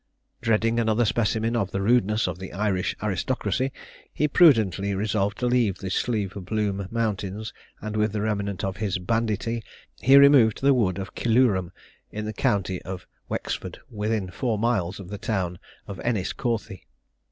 Dreading another specimen of the rudeness of the Irish aristocracy, he prudently resolved to leave the Slieve bloom mountains, and with the remnant of his banditti, he removed to the wood of Killoughram, in the county of Wexford, within four miles of the town of Enniscorthy.